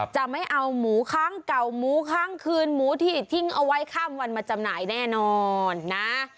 จะไม่เอาหมูค้างเก่าหมูค้างคืนหมูที่ทิ้งเอาไว้ข้ามวันมาจำหน่ายแน่นอนนะ